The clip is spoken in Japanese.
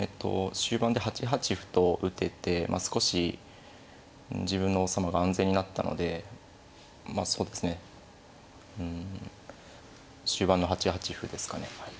終盤で８八歩と打てて少し自分の王様が安全になったのでまあそうですねうん終盤の８八歩ですかねはい。